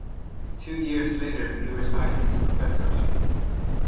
Two years later he resigned his professorship.